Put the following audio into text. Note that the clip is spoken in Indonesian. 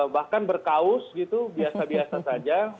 bahkan berkaus gitu biasa biasa saja